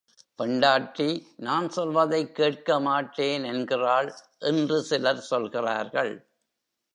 பெண்டாட்டி நான் சொல்வதைக் கேட்க மாட்டேன் என்கிறாள் என்று சிலர் சொல்கிறார்கள்.